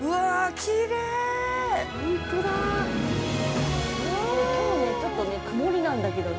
◆きょう、ちょっと曇りなんだけどね。